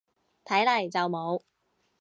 睇嚟就冇